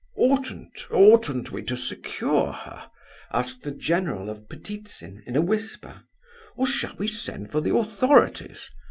"Oughtn't oughtn't we to secure her?" asked the general of Ptitsin, in a whisper; "or shall we send for the authorities?